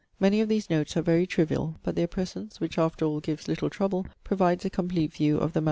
Many of these notes are very trivial; but their presence, which after all gives little trouble, provides a complete view of the MS.